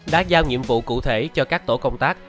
đã giao nhiệm vụ cụ thể cho các tổ công tác